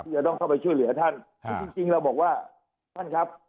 จะต้องเข้าไปช่วยเหลือท่านคือจริงเราบอกว่าท่านครับ